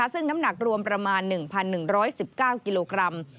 ซึ่งน้ำหนักรวมประมาณ๑๑๑๙กิโลกรัม